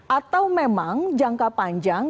atau memang jangka panjang